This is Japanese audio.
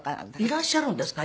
いらっしゃるんですか？